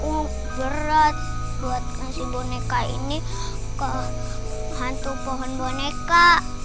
bel sebenernya aku berat buat ngasih boneka ini ke hantu pohon boneka